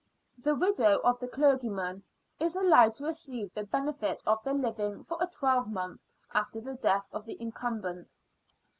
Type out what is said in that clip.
The widow of the clergyman is allowed to receive the benefit of the living for a twelvemonth after the death of the incumbent.